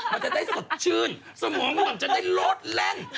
มันจะได้สดชื่นสมองห่มจะได้โลดแล่น